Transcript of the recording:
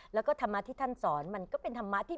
แล้วก็ธรรมะที่ท่านสอนมันก็เป็นธรรมะที่